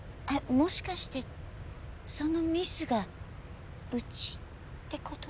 もしかしてそのミスがうちってこと？